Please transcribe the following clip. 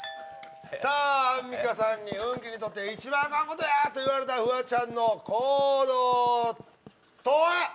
さあアンミカさんに「運気にとって一番アカンことや！」と言われたフワちゃんの行動とは？